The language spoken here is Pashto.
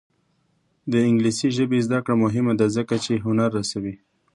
د انګلیسي ژبې زده کړه مهمه ده ځکه چې هنر رسوي.